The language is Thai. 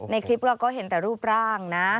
ในคลิปเราก็เห็นแต่รูปร่างนะ